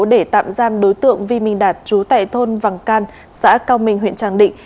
để tạm giam đối tượng vi minh đạt chú tại thôn vàng can xã cao minh huyện tràng định